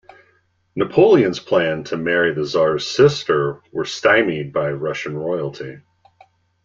Napoleon's plans to marry the tsar's sister were stymied by Russian royalty.